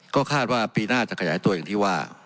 ก็คาดว่าปีหน้าจะขยายตัวอย่างที่ว่า